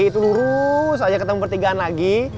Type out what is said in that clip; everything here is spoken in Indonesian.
itu lurus aja ketemu pertigaan lagi